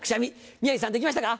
宮治さんできましたか？